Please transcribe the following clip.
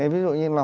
ví dụ như là